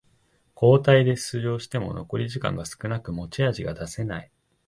交代で出場しても残り時間が少なく持ち味が出せない